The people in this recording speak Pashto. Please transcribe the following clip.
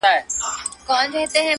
هم بېحده رشوت خوره هم ظالم وو-